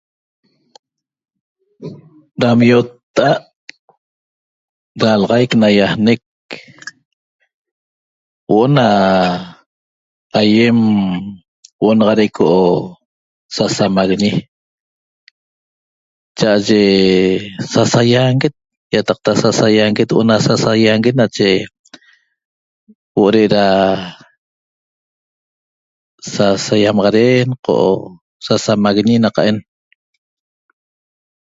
Nam iotta'at ralaxaic naiaanec huo'o na aiem huo'o naxa ra ico sasamaguiñi cha'aye sasaianguet iataqta sasaianguet huo'o na sasaianguet nache huo'o re'era sasaiamaxaren qo' sasamaguiñi naqa'en